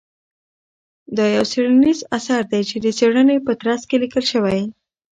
دا يو څېړنيز اثر دى چې د څېړنې په ترڅ کې ليکل شوى.